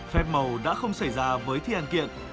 phép màu đã không xảy ra với thi anh kiệt